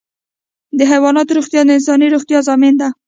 د حیواناتو روغتیا د انساني روغتیا ضامن ده.